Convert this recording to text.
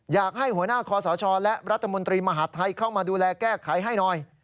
อยากให้หัวหน้าคอสชและรัฐมนตรีมหาดไทยเข้ามาดูแลแก้ไขให้หน่อย